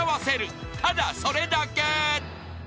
［ただそれだけ］